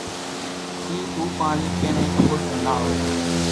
اِي اُو پاڻي ڪيڻيئين اٻوٽيون نا ھوئي،